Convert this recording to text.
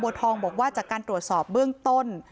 ทองบอกว่าจากการตรวจสอบเบื้องต้น